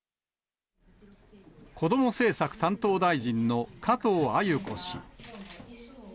こども政策担当大臣の加藤鮎子氏。